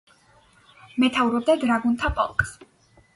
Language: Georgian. მეთაურობდა დრაგუნთა პოლკს.